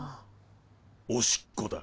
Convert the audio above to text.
おしっこだ。